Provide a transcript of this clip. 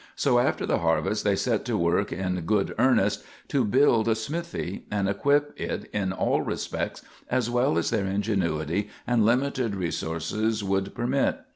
So after the harvest they set to work in good earnest to build a smithy, and equip it in all respects as well as their ingenuity and limited resources would permit.